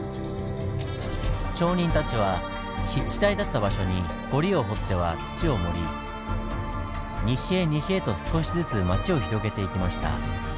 町人たちは湿地帯だった場所に堀を掘っては土を盛り西へ西へと少しずつ町を広げていきました。